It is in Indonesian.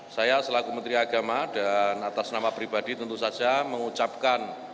saya selaku menteri agama dan atas nama pribadi tentu saja mengucapkan